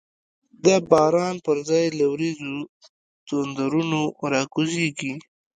د باران پر ځای له وریځو، تندرونه را کوزیږی